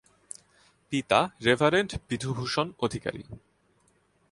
পিতা রেভারেন্ড বিধুভূষণ অধিকারী।